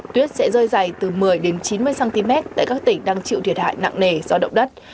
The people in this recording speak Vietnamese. tuyết sẽ rơi dày từ một mươi đến chín mươi cm tại các tỉnh đang chịu thiệt hại nặng nề do động đất